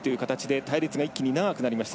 隊列が一気に長くなりました。